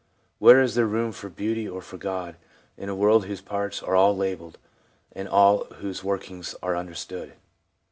Where is there room for Beauty, or for God, in a world whose parts are all labelled, and all of whose workings are understood